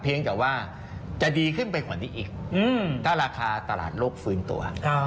จะว่าจะดีขึ้นไปกว่านี้อีกถ้าราคาตลาดโลกฟื้นตัว